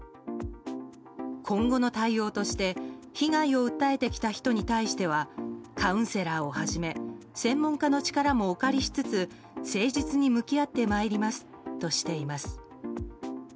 今後の対応として被害を訴えてきた人に対してはカウンセラーをはじめ専門家の力もお借りしつつ誠実に向き合ってまいりますとしています。